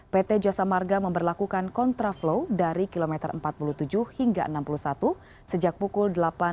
pt jasa marga memperlakukan kontraflow dari kilometer empat puluh tujuh hingga enam puluh satu sejak pukul delapan belas